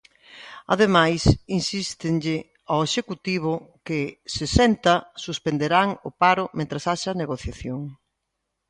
Ademais, insístenlle ao Executivo que "se senta, suspenderán o paro mentres haxa negociación".